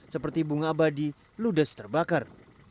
seperti bunga abadi ludes terbakar